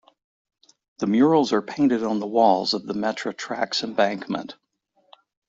The murals are painted on the walls of the Metra tracks embankment.